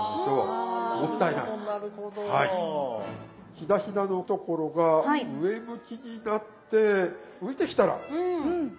ひだひだのところが上向きになって浮いてきたら終了です。